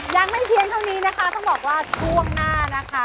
ยังไม่เพียงเท่านี้นะคะต้องบอกว่าช่วงหน้านะคะ